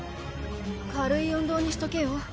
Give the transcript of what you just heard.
軽い運動にしとけよ。